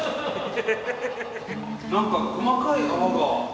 何か細かい泡が。